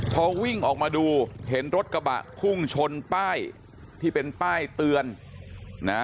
พอวิ่งออกมาดูเห็นรถกระบะพุ่งชนป้ายที่เป็นป้ายเตือนนะ